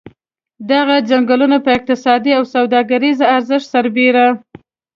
دغه څنګلونه په اقتصادي او سوداګریز ارزښت سربېره.